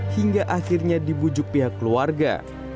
hingga akhirnya dibujuk pihak keluarga